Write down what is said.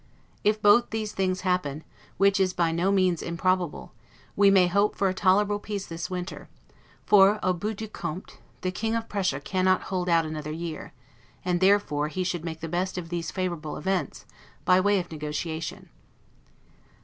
If both these things happen, which is by no means improbable, we may hope for a tolerable peace this winter; for, 'au bout du compte', the King of Prussia cannot hold out another year; and therefore he should make the best of these favorable events, by way negotiation.